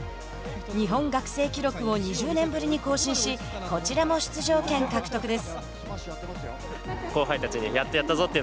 日本学生記録を２０年ぶりに更新しこちらも出場権獲得です。